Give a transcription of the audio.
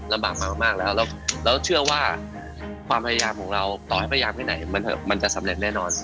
ลำบากมามากแล้วแล้วเชื่อว่าความพยายามของเราต่อให้พยายามที่ไหนมันจะสำเร็จแน่นอน